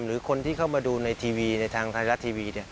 หรือคนที่เข้ามาดูในทีวีในทางไทยรัฐทีวี